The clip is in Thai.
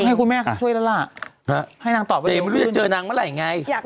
ให้คุณแม่ช่วยแล้วล่ะให้นางตอบเดมจะเจอนางเมื่อไหร่ไงอยาก